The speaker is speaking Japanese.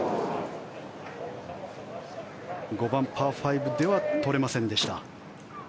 ５番、パー５では取れませんでした。